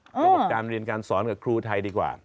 ระบบการเรียนการสอนกับครูไทยดีกว่า